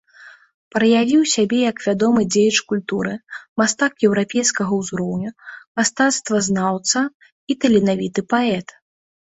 Праявіў сябе як вядомы дзеяч культуры, мастак еўрапейскага ўзроўню, мастацтвазнаўца і таленавіты паэт.